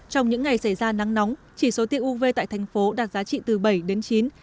trong những ngày xảy ra nắng nóng chỉ số tiện uv tại thành phố đạt giá trị từ bảy đến chín